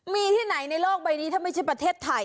มีที่ไหนในโลกใบนี้ถ้าไม่ใช่ประเทศไทย